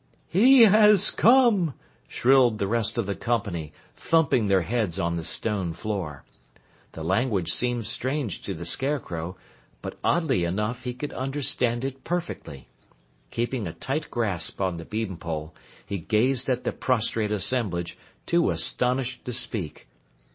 "He has come!" shrilled the rest of the company, thumping their heads on the stone floor. The language seemed strange to the Scarecrow, but oddly enough, he could understand it perfectly. Keeping a tight grasp on the bean pole, he gazed at the prostrate assemblage, too astonished to speak.